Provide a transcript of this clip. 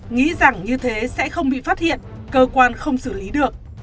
nghĩ rằng như thế sẽ không bị phát hiện cơ quan không xử lý được